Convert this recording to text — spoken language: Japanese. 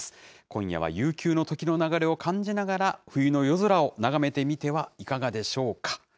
今夜は悠久の時の流れを感じながら、冬の夜空を眺めてみてはいかがでしょうか。